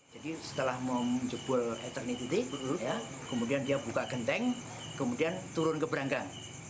jadi setelah menjebul eternity kemudian dia buka genteng kemudian turun ke beranggang